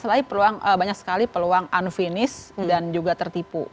karena di tahun ini banyak sekali peluang unfinished dan juga tertipu